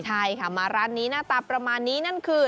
ใช่ค่ะมาร้านนี้หน้าตาประมาณนี้นั่นคือ